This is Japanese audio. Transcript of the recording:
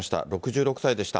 ６６歳でした。